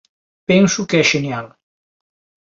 Penso que é xenial.